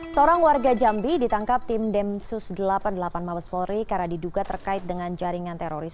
seorang warga jambi ditangkap tim densus delapan puluh delapan mabes polri karena diduga terkait dengan jaringan teroris